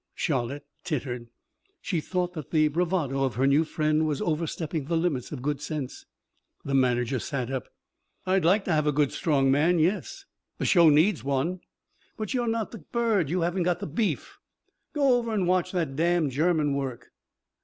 Charlotte tittered. She thought that the bravado of her new friend was over stepping the limits of good sense. The manager sat up. "I'd like to have a good strong man, yes. The show needs one. But you're not the bird. You haven't got the beef. Go over and watch that damned German work."